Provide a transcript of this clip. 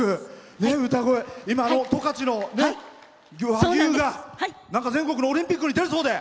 今、十勝の和牛が全国のオリンピックに出るそうで。